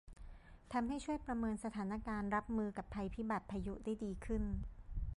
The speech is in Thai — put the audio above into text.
ทำให้ช่วยประเมินสถานการณ์รับมือกับภัยพิบัติพายุได้ดีขึ้น